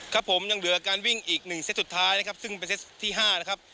ครับผมยังเหลือการวิ่งอีก๑เซตสุดท้ายนะครับซึ่งเป็นเซตที่๕นะครับ